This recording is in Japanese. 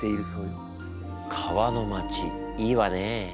川の街いいわね。